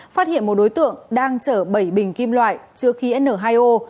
phát hiện một đối tượng đang chở bảy bình kim loại chứa khí n hai o